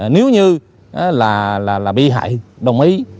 nếu như bị hại đồng ý